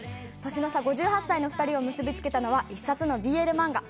年の差５８歳の２人を結び付けたのは一冊のＢＬ漫画。